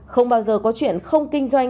không bao giờ có chuyện không kinh doanh